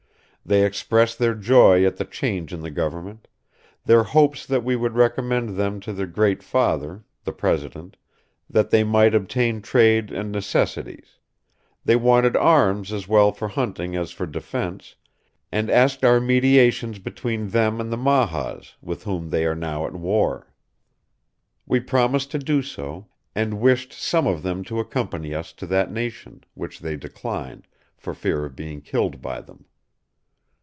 They expressed their joy at the change in the government; their hopes that we would recommend them to their Great Father (the President), that they might obtain trade and necessaries; they wanted arms as well for hunting as for defense, and asked our mediations between them and the Mahas, with whom they are now at war. We promised to do so, and wished some of them to accompany us to that nation, which they declined, for fear of being killed by them.